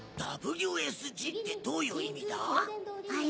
ＷＳＧってどういう意味だ？